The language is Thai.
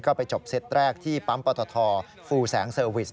ก็ไปจบเซตแรกที่ปั๊มปตทฟูแสงเซอร์วิส